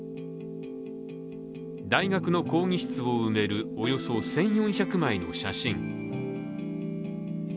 大学の講義室を埋めるおよそ１４００枚の写真。